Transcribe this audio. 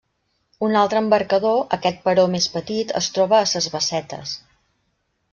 Un altre embarcador, aquest però, més petit, es troba a ses Bassetes.